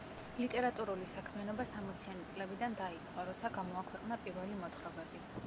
ლიტერატურული საქმიანობა სამოციანი წლებიდან დაიწყო, როცა გამოაქვეყნა პირველი მოთხრობები.